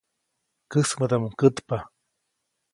Käsmädaʼmuŋ kätpa.